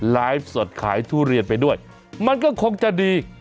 ไลฟ์สดขายทุเรียนไปด้วยมันก็คงจะดี